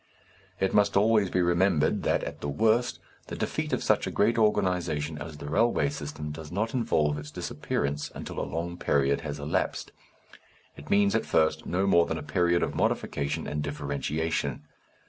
It must always be remembered that at the worst the defeat of such a great organization as the railway system does not involve its disappearance until a long period has elapsed. It means at first no more than a period of modification and differentiation.